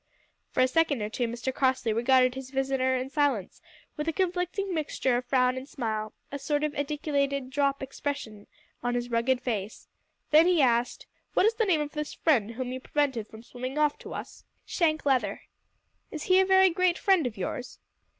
For a second or two Mr Crossley regarded his visitor in silence, with a conflicting mixture of frown and smile a sort of acidulated drop expression on his rugged face. Then he asked "What is the name of this friend whom you prevented from swimming off to us?" "Shank Leather." "Is he a very great friend of yours?"